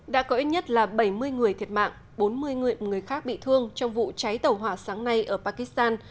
đã có ít nhất là bảy mươi người thiệt mạng bốn mươi người khác bị thương trong vụ cháy tàu hỏa sáng nay ở pakistan